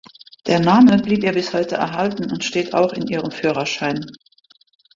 Der Name blieb ihr bis heute erhalten und steht auch in ihrem Führerschein.